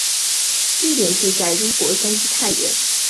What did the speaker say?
地点是在中国山西太原。